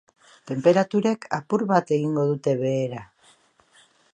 Tenperaturek apur bat egingo dute behera.